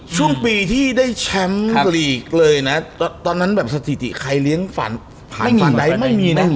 ช่วงปีที่ได้แชมป์ลีกเลยนะตอนนั้นแบบสถิติใครเลี้ยงฝันผ่านฝันใดไม่มีนะ